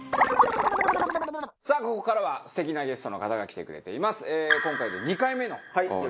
さあここからは素敵なゲストの方が来てくれています。